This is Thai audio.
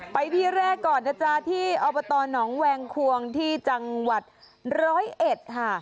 ไปที่แรกก่อนนะจ๊ะที่อบตหนองแวงควงที่จังหวัดร้อยเอ็ดค่ะ